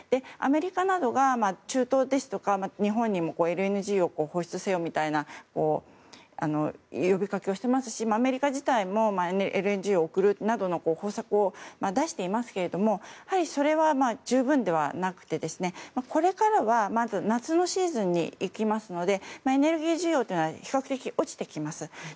アメリカなどが中東ですとか日本にもＬＮＧを放出せよという呼びかけをしていますしアメリカ自体もＬＮＧを送るなどの方策を出していますけれどもやはりそれは十分ではなくてこれからは、まず夏のシーズンに行きますのでエネルギー需要は比較的落ちてきます。